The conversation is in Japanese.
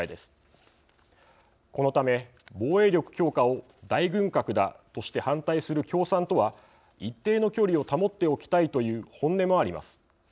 このため防衛力強化を大軍拡だとして反対する共産とは一定の距離を保っておきたいという本音もあります。